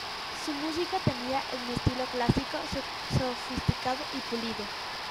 Su música tenía un estilo clásico, sofisticado y pulido.